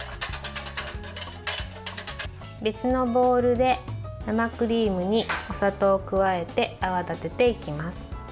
別のボウルで生クリームに、お砂糖を加えて泡立てていきます。